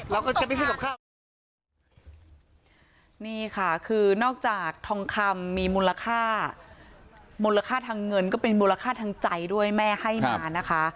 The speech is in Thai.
แล้วก็จะไปซื้อกับข้าวของนี่ค่ะคือนอกจากทองคำมีมูลค่ามูลค่าทางเงินก็เป็นมูลค่าทางใจด้วยแม่ให้มานะคะ